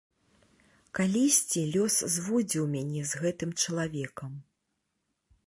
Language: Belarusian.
Калісьці лёс зводзіў мяне з гэтым чалавекам.